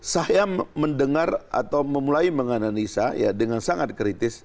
saya mendengar atau memulai menganalisa ya dengan sangat kritis